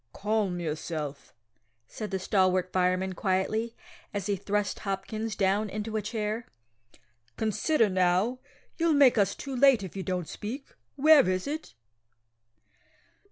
"Calm yourself," said the stalwart fireman quietly, as he thrust Hopkins down into a chair. "Consider now. You'll make us too late if you don't speak. Where is it?"